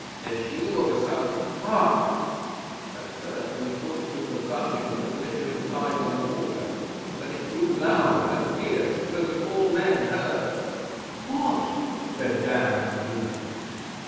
'Said Hugh of a sudden, "Hark!" At first we thought it was the buzzing of the glittering flies on the water; but it grew loud and fierce, so that all men heard.' 'What?' said Dan and Una.